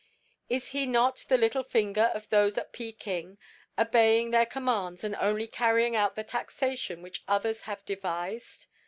"Is he not the little finger of those at Peking, obeying their commands and only carrying out the taxation which others have devised?